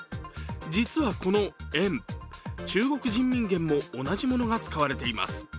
実はこの￥、中国人民元も同じものが使われています。